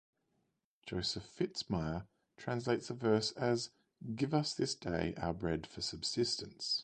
Joseph Fitzmyer translates the verse as give us this day our bread for subsistence.